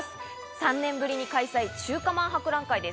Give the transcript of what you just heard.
３年ぶりに開催、中華まん博覧会です。